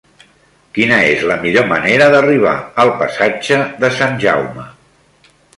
Quina és la millor manera d'arribar al passatge de Sant Jaume?